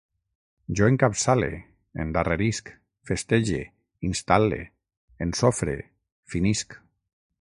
Jo encapçale, endarrerisc, festege, instal·le, ensofre, finisc